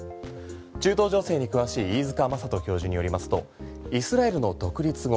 中東情勢に詳しい飯塚正人教授によりますとイスラエルの独立後